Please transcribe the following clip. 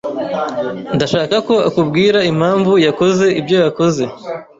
Ndashaka ko akubwira impamvu yakoze ibyo yakoze.